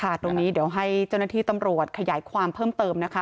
ตรงนี้เดี๋ยวให้เจ้าหน้าที่ตำรวจขยายความเพิ่มเติมนะคะ